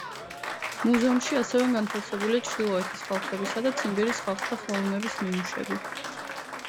მუზეუმში ასევე განთავსებულია ჩრდილოეთის ხალხებისა და ციმბირის ხალხთა ხელოვნების ნიმუშები.